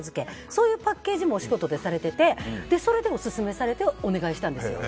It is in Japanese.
そういうパッケージもお仕事でされててそれでオススメされてお願いしたんです。